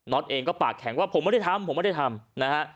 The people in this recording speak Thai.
็ตเองก็ปากแข็งว่าผมไม่ได้ทำผมไม่ได้ทำนะฮะ